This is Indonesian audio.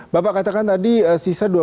bapak katakan tadi sisa dua belas